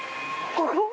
ここ？